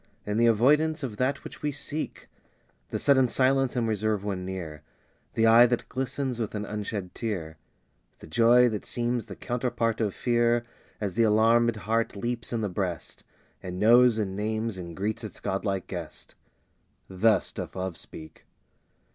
In the avoidance of that which we seek The sudden silence and reserve when near The eye that glistens with an unshed tear The joy that seems the counterpart of fear, As the alarmed heart leaps in the breast, And knows and names and greets its godlike guest Thus doth Love speak.